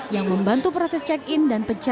yang membantu proses check in dan pencegahan